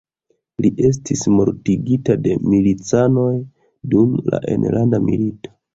Li estis mortigita de milicanoj dum la enlanda milito.